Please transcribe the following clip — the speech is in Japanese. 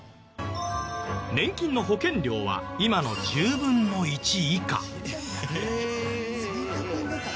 年金の保険料は今の１０分の１以下。